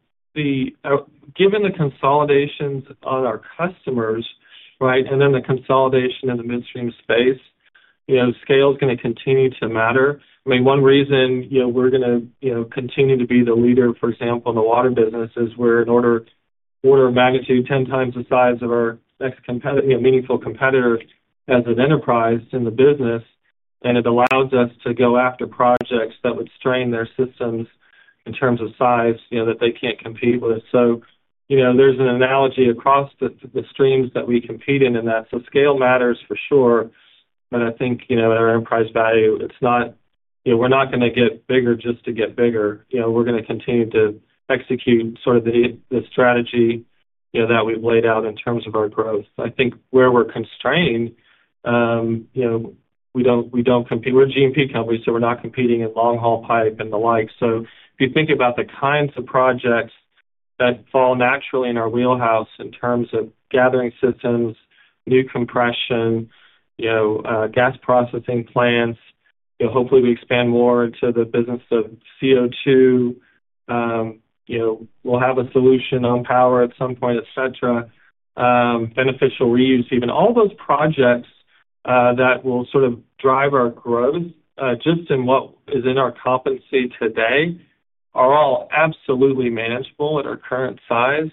given the consolidations on our customers, right, and then the consolidation in the midstream space, you know, scale is gonna continue to matter. I mean, one reason, you know, we're gonna, you know, continue to be the leader, for example, in the water business is we're an order of magnitude, 10x the size of our next competitor, you know, meaningful competitor as an enterprise in the business, and it allows us to go after projects that would strain their systems in terms of size, you know, that they can't compete with. So, you know, there's an analogy across the streams that we compete in, in that. So scale matters for sure, but I think, you know, our enterprise value, it's not... You know, we're not gonna get bigger just to get bigger. You know, we're gonna continue to execute sort of the strategy, you know, that we've laid out in terms of our growth. I think where we're constrained, you know, we don't, we don't compete. We're a G&P company, so we're not competing in long-haul pipe and the like. So if you think about the kinds of projects that fall naturally in our wheelhouse in terms of gathering systems, new compression, you know, gas processing plants. You know, hopefully we expand more into the business of CO2. You know, we'll have a solution on power at some point, et cetera. Beneficial reuse, even all those projects, that will sort of drive our growth, just in what is in our competency today, are all absolutely manageable at our current size.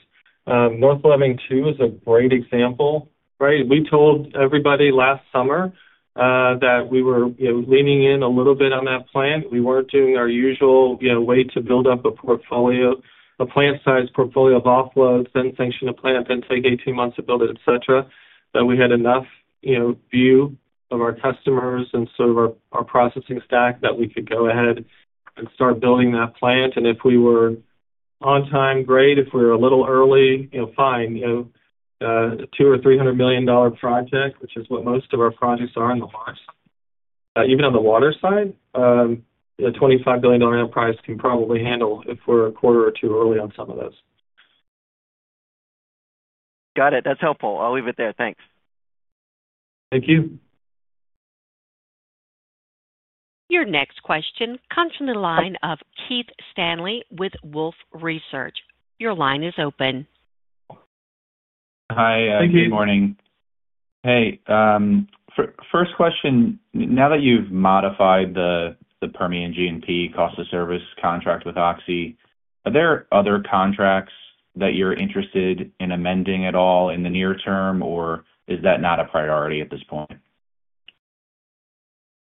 North Loving Train Two is a great example, right? We told everybody last summer, that we were, you know, leaning in a little bit on that plant. We weren't doing our usual, you know, way to build up a portfolio, a plant-sized portfolio of offtakes, then sanction a plant, then take 18 months to build it, et cetera. That we had enough, you know, view of our customers and sort of our, our processing stack, that we could go ahead and start building that plant. And if we were on time, great. If we were a little early, you know, fine. You know, a $200 million-$300 million-dollar project, which is what most of our projects are in the box. Even on the water side, a $25 billion enterprise can probably handle if we're a quarter or two early on some of those. Got it. That's helpful. I'll leave it there. Thanks. Thank you. Your next question comes from the line of Keith Stanley with Wolfe Research. Your line is open. Hi- Thank you. Good morning. Hey, first question, now that you've modified the Permian G&P cost of service contract with Oxy, are there other contracts that you're interested in amending at all in the near term, or is that not a priority at this point?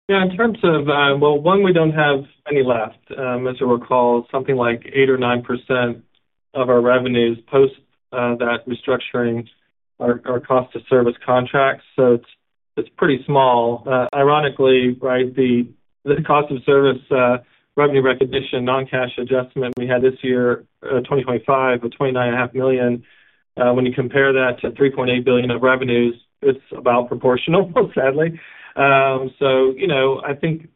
Yeah, in terms of. Well, one, we don't have any left. As you'll recall, something like 8% or 9% of our revenues post that restructuring are cost-of-service contracts, so it's pretty small. Ironically, right, the cost-of-service revenue recognition non-cash adjustment we had this year, $25 million or $29.5 million. When you compare that to $3.8 billion of revenues, it's about proportional, sadly. So, you know, I think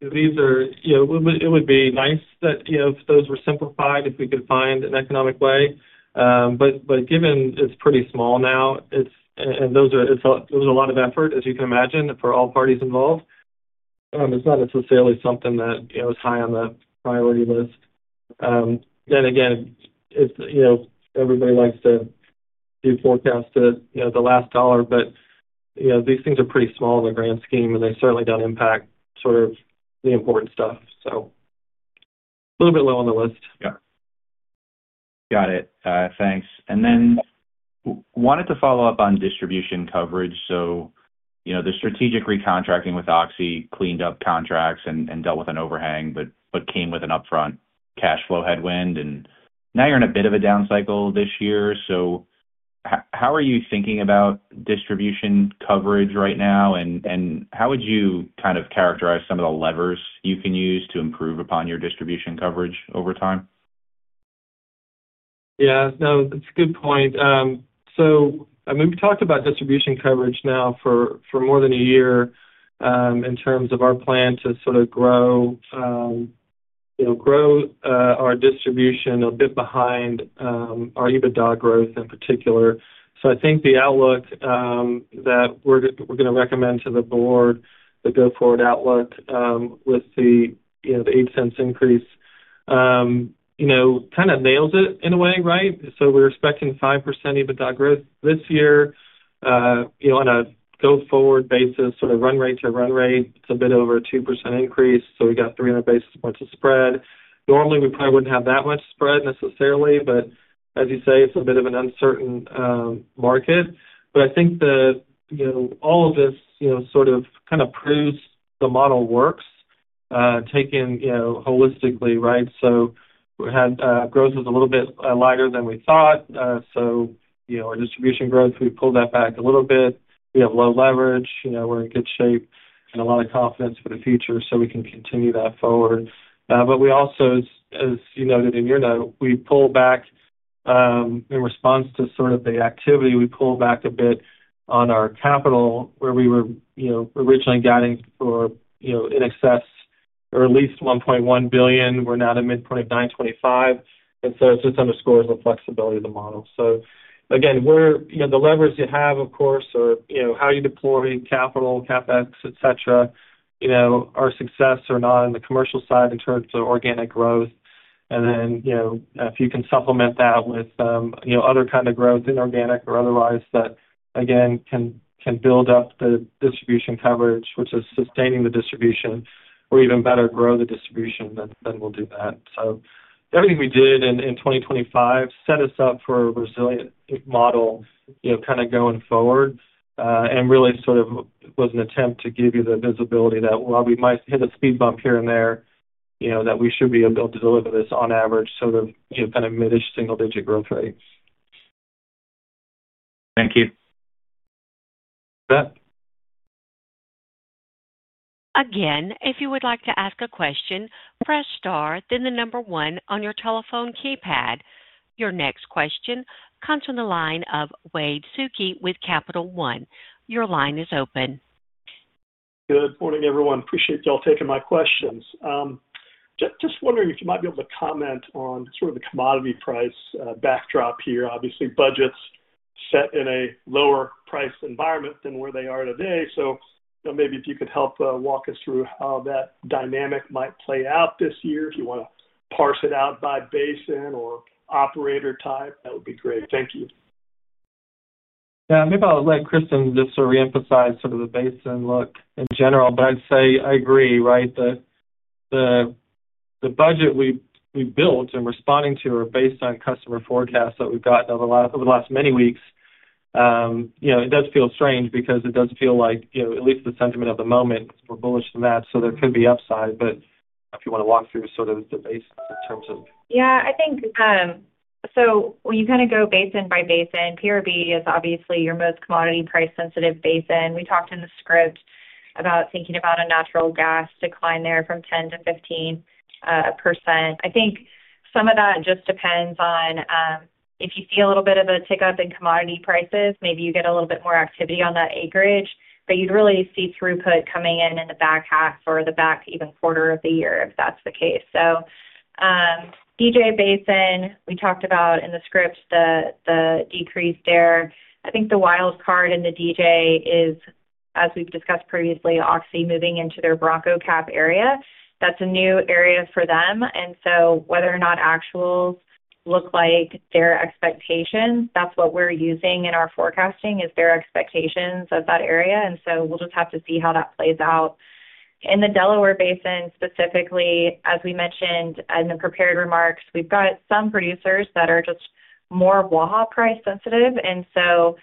these are, you know, it would be nice that, you know, if those were simplified, if we could find an economic way, but given it's pretty small now, it's, and those are. It's a lot of effort, as you can imagine, for all parties involved. It's not necessarily something that, you know, is high on the priority list. Then again, it's, you know, everybody likes to do forecasts to, you know, the last dollar, but, you know, these things are pretty small in the grand scheme, and they certainly don't impact sort of the important stuff. So a little bit low on the list. Yeah. Got it. Thanks. And then wanted to follow up on distribution coverage. So, you know, the strategic recontracting with Oxy cleaned up contracts and, and dealt with an overhang, but, but came with an upfront cash flow headwind, and now you're in a bit of a down cycle this year. So how are you thinking about distribution coverage right now, and, and how would you kind of characterize some of the levers you can use to improve upon your distribution coverage over time? Yeah. No, that's a good point. I mean, we've talked about distribution coverage now for more than a year, in terms of our plan to sort of grow, you know, grow, our distribution a bit behind, you know, our EBITDA growth in particular. I think the outlook that we're going to recommend to the board, the go-forward outlook, with the, you know, the $0.08 increase, you know, kind of nails it in a way, right? We're expecting 5% EBITDA growth this year. You know, on a go-forward basis, sort of run rate to run rate, it's a bit over a 2% increase, so we got 300 basis points of spread. Normally, we probably wouldn't have that much spread necessarily, but as you say, it's a bit of an uncertain, you know, market. I think that, you know, all of this, you know, sort of kind of proves the model works, you know, taken holistically, right? We had growth was a little bit lighter than we thought. So, you know, our distribution growth, we pulled that back a little bit. We have low leverage, you know, we're in good shape and a lot of confidence for the future, so we can continue that forward. We also, as you noted in your note, we pulled back in response to sort of the activity. We pulled back a bit on our capital, where we were, you know, originally guiding for, you know, in excess or at least $1.1 billion. We're now at midpoint of $925 million, and so it just underscores the flexibility of the model. So again, we're, you know, the levers you have, of course, are, you know, how you deploy capital, CapEx, et cetera. You know, our success or not on the commercial side in terms of organic growth. And then, you know, if you can supplement that with, you know, other kind of growth, inorganic or otherwise, that again, can build up the distribution coverage, which is sustaining the distribution, or even better, grow the distribution, then we'll do that. So everything we did in 2025 set us up for a resilient model, you know, kind of going forward, and really sort of was an attempt to give you the visibility that while we might hit a speed bump here and there, you know, that we should be able to deliver this on average, sort of, you know, kind of mid-ish single-digit growth rate. Thank you. Bet. Again, if you would like to ask a question, press star, then number one on your telephone keypad. Your next question comes from the line of Wade Suki with Capital One. Your line is open. Good morning, everyone. Appreciate y'all taking my questions. Just wondering if you might be able to comment on sort of the commodity price backdrop here. Obviously, budgets set in a lower price environment than where they are today. So, you know, maybe if you could help walk us through how that dynamic might play out this year. If you wanna parse it out by basin or operator type, that would be great. Thank you. Yeah, maybe I'll let Kristen just reemphasize some of the basin look in general, but I'd say I agree, right? The budget we built and responding to are based on customer forecasts that we've gotten over the last many weeks. You know, it does feel strange because it does feel like, you know, at least the sentiment of the moment, we're bullish than that, so there could be upside. But if you wanna walk through sort of the basics in terms of. Yeah, I think, so when you kind of go basin by basin, PRB is obviously your most commodity price-sensitive basin. We talked in the script about thinking about a natural gas decline there from 10%-15%. I think some of that just depends on, if you see a little bit of a tick up in commodity prices, maybe you get a little bit more activity on that acreage, but you'd really see throughput coming in in the back half or the back even quarter of the year, if that's the case. So, DJ Basin, we talked about in the scripts, the decrease there. I think the wild card in the DJ is, as we've discussed previously, Oxy moving into their Bronco CAP area. That's a new area for them. And so whether or not actuals look like their expectations, that's what we're using in our forecasting, is their expectations of that area. And so we'll just have to see how that plays out. In the Delaware Basin, specifically, as we mentioned in the prepared remarks, we've got some producers that are just more Waha price sensitive. And so,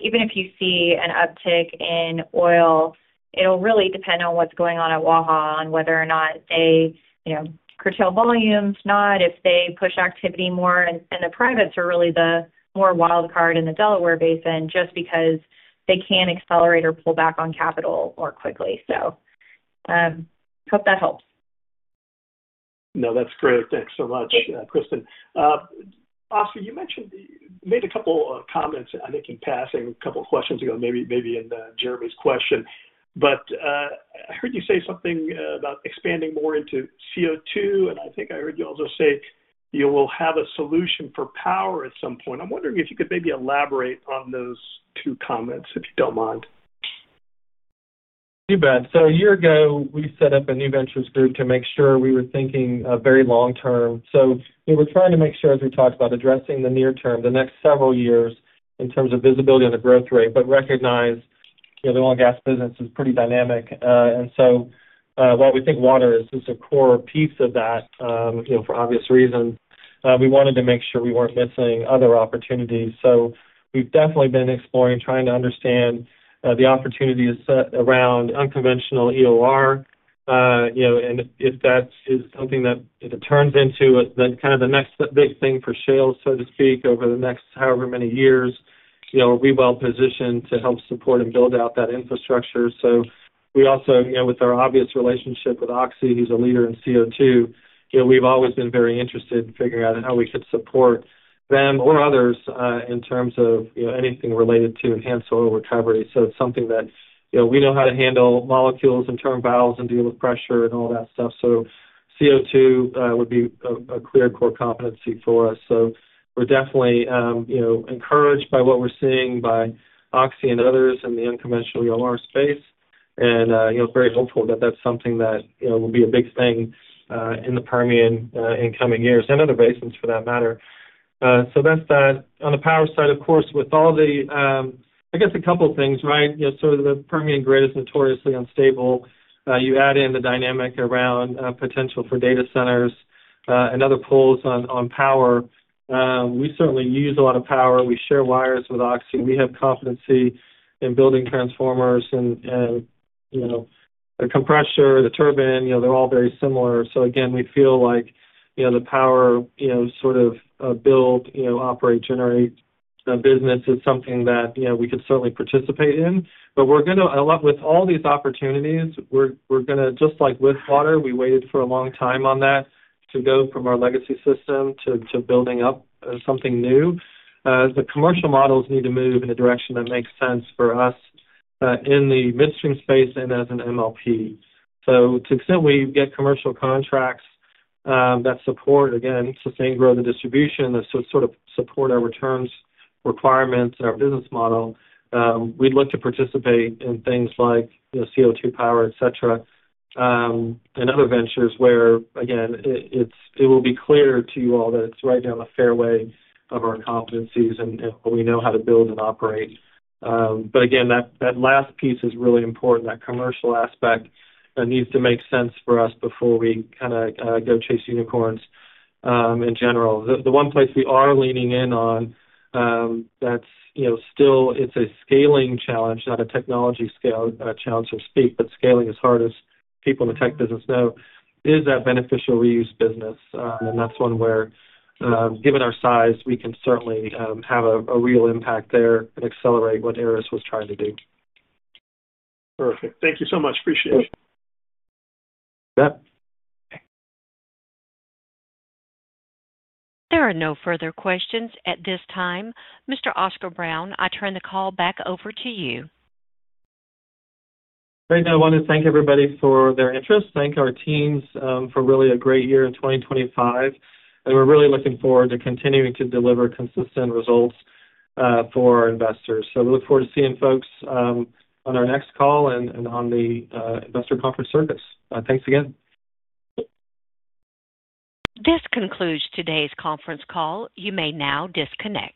even if you see an uptick in oil, it'll really depend on what's going on at Waha on whether or not they, you know, curtail volumes, not if they push activity more. And the privates are really the more wild card in the Delaware Basin just because they can accelerate or pull back on capital more quickly. So, hope that helps. No, that's great. Thanks so much, Kristen. Oscar, you mentioned, made a couple of comments, I think, in passing a couple of questions ago, maybe, maybe in, Jeremy's question. But, I heard you say something about expanding more into CO2, and I think I heard you also say you will have a solution for power at some point. I'm wondering if you could maybe elaborate on those two comments, if you don't mind. You bet. So a year ago, we set up a new ventures group to make sure we were thinking very long term. So we were trying to make sure, as we talked about addressing the near term, the next several years, in terms of visibility on the growth rate, but recognize, you know, the oil and gas business is pretty dynamic. And so, while we think water is a core piece of that, you know, for obvious reasons, we wanted to make sure we weren't missing other opportunities. So we've definitely been exploring, trying to understand the opportunities set around unconventional EOR. You know, and if that is something that if it turns into the kind of the next big thing for shale, so to speak, over the next however many years, you know, we're well positioned to help support and build out that infrastructure. So we also, you know, with our obvious relationship with Oxy, who's a leader in CO2, you know, we've always been very interested in figuring out how we could support them or others in terms of, you know, anything related to enhanced oil recovery. So it's something that, you know, we know how to handle molecules and turn valves and deal with pressure and all that stuff. So CO2 would be a clear core competency for us. So we're definitely, you know, encouraged by what we're seeing by Oxy and others in the unconventional EOR space. You know, very hopeful that that's something that, you know, will be a big thing in the Permian in coming years, and other basins for that matter. So that's that. On the power side, of course, with all the, I guess a couple of things, right? You know, sort of the Permian Grid is notoriously unstable. You add in the dynamic around potential for data centers and other pulls on power. We certainly use a lot of power. We share wires with Oxy. We have competency in building transformers and you know, the compressor, the turbine, you know, they're all very similar. So again, we feel like you know, the power you know, sort of build, you know, operate, generate the business is something that you know, we could certainly participate in. But we're gonna with all these opportunities, we're, we're gonna just like with water, we waited for a long time on that to go from our legacy system to building up something new. The commercial models need to move in a direction that makes sense for us in the midstream space and as an MLP. So to the extent we get commercial contracts that support, again, sustained growth and distribution, that so sort of support our returns, requirements, and our business model, we'd look to participate in things like, you know, CO2 power, et cetera, and other ventures where, again, it, it's it will be clear to you all that it's right down the fairway of our competencies and we know how to build and operate. But again, that last piece is really important. That commercial aspect needs to make sense for us before we kinda go chase unicorns in general. The one place we are leaning in on, that's, you know, still it's a scaling challenge, not a technology scale challenge, so to speak, but scaling as hard as people in the tech business know is that beneficial reuse business. And that's one where, given our size, we can certainly have a real impact there and accelerate what Aris was trying to do. Perfect. Thank you so much. Appreciate it. You bet. There are no further questions at this time. Mr. Oscar Brown, I turn the call back over to you. Great. I want to thank everybody for their interest, thank our teams, for really a great year in 2025, and we're really looking forward to continuing to deliver consistent results, for our investors. So we look forward to seeing folks, on our next call and on the, investor conference circuits. Thanks again. This concludes today's conference call. You may now disconnect.